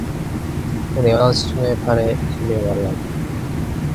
그는 애원하듯이 춘우의 팔에 실리며 말을 하였다.